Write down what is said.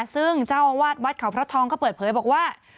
ซึ่งเจ้าอาวาสวัดเขาพระทองก็เปิดเผยบอกว่า